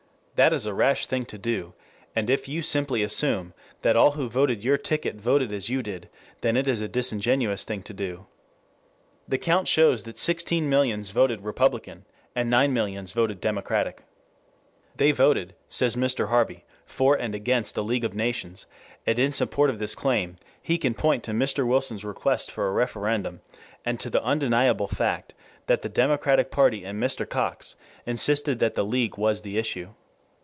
That is a rash thing to do, and, if you simply assume that all who voted your ticket voted as you did, then it is a disingenuous thing to do. The count shows that sixteen millions voted Republican, and nine millions Democratic. They voted, says Mr. Harvey, for and against the League of Nations, and in support of this claim, he can point to Mr. Wilson's request for a referendum, and to the undeniable fact that the Democratic party and Mr. Cox insisted that the League was the issue.